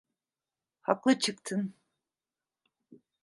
Haklı çıktın.